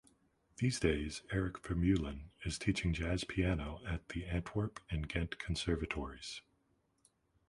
These days, Erik Vermeulen is teaching jazz piano at the Antwerp and Ghent conservatories.